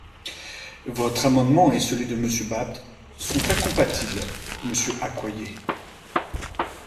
Votre amendement et celui de Monsieur Bapt sont incompatibles, monsieur Accoyer...